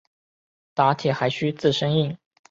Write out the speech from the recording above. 打铁还需自身硬。